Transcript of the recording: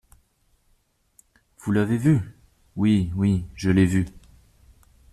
Vous l'avez vu !… Oui … oui … je l'ai vu.